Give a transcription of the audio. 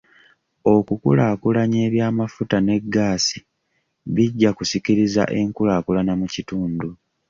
Okulaakulanya eby'amafuta ne gaasi bijja kusikiriza enkulakulana mu kitundu.